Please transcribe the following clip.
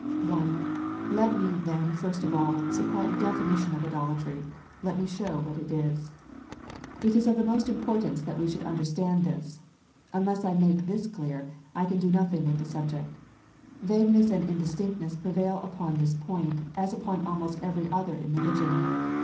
I. Let me, then, first of all, supply a definition of idolatry. Let me show WHAT IT is. 400 IDOLATRY. 401 It is of the utmost importance that we should understand this. Unless I make this clear, I can do nothing with the subject. Vagueness and indistinctness prevail upon this point, as upon almost every other in religion.